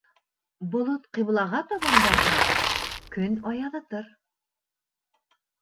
Болот ҡиблаға табан барһа, көн аяҙытыр.